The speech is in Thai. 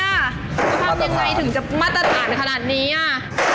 จะทำยังไงถึงจะมัดต่างขนาดนี้อะ